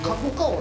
俺。